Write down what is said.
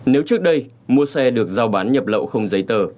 nếu trước đây mua xe được giao bán nhập lậu không giấy tờ